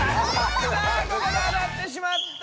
さあここであたってしまった！